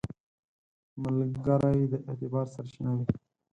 ملګری د اعتبار سرچینه وي